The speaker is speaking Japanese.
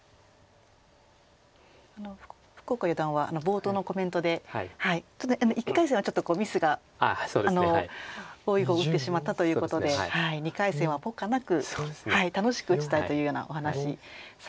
福岡四段は冒頭のコメントで１回戦はちょっとミスが多い碁を打ってしまったということで２回戦はポカなく楽しく打ちたいというようなお話しされてましたね。